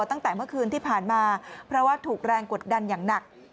ตั้งแต่เมื่อคืนที่ผ่านมาเพราะว่าถูกแรงกดดันอย่างหนัก